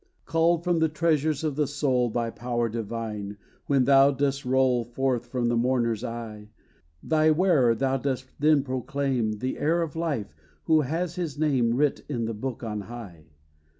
Called from the treasures of the soul By power divine, when thou dost roll Forth from the mourner's eye, Thy wearer thou dost then proclaim The heir of life, who has his name Writ in the Book on high.